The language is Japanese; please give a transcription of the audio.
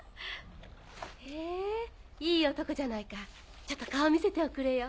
へぇいい男じゃないかちょっと顔見せておくれよ。